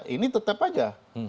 ini tetap aja